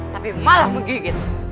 tapi malah menggigit